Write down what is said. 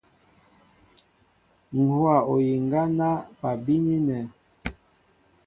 Ŋ̀ hówa oyiŋga ná bal bínínɛ̄.